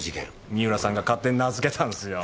三浦さんが勝手に名付けたんすよ。